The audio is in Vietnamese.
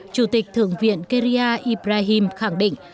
chủ tịch thượng viện keria ibrahim khẳng định